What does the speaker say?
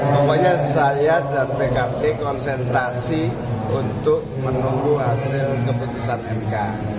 pokoknya saya dan pkb konsentrasi untuk menunggu hasil keputusan mk